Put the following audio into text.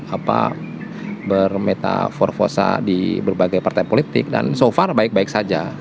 apa bermetaforfosa di berbagai partai politik dan so far baik baik saja